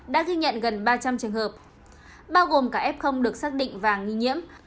đã ghi nhận gần ba trăm linh trường hợp bao gồm cả f được xác định và nghi nhiễm